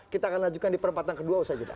kita akan lanjutkan di perempatan kedua usai jeda